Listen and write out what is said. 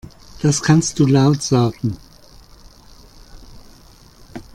Das kannst du laut sagen.